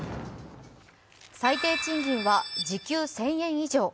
最低賃金は時給１０００円以上。